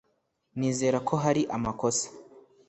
nizera ko hari amakosa